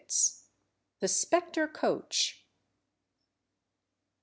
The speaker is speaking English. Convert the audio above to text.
THE SPECTRE COACH.